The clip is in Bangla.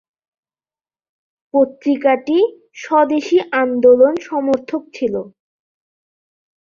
পত্রিকাটি স্বদেশী আন্দোলন সমর্থক ছিল।